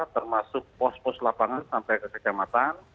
termasuk pos pos lapangan sampai ke kecamatan